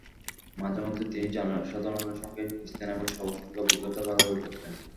মাঝেমধ্যেই তিনি জনসাধারণের সঙ্গে মিশতেন এবং সবার সঙ্গে অভিজ্ঞতা ভাগাভাগি করতেন।